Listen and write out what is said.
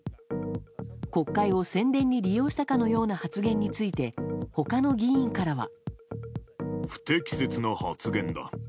国会を宣伝に利用したかのような発言について他の議員からは。